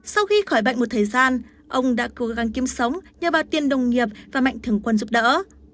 sau khi khỏi bệnh một thời gian ông đã cố gắng kiếm sống nhờ bà tiên đồng nghiệp và mạnh thường quân giúp đỡ